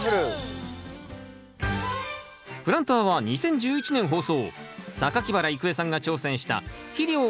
「プランター」は２０１１年放送